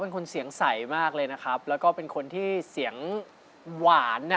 เป็นคนเสียงใสมากเลยนะครับแล้วก็เป็นคนที่เสียงหวานอ่ะ